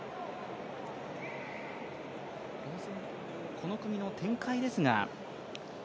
この組の展開ですが。